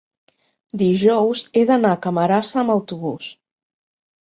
dijous he d'anar a Camarasa amb autobús.